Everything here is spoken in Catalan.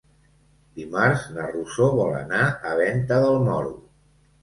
Dimarts na Rosó vol anar a Venta del Moro.